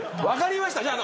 分かりました。